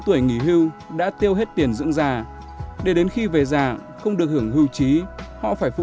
tuổi nghỉ hưu đã tiêu hết tiền dưỡng già để đến khi về già không được hưởng hưu trí họ phải phụ